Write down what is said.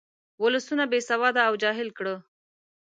ولسونه بې سواده او جاهل کړه.